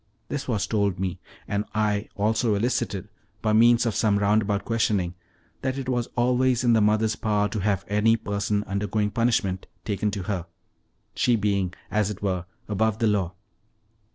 This was told me, and I also elicited, by means of some roundabout questioning, that it was always in the mother's power to have any per son undergoing punishment taken to her, she being, as it were, above the law.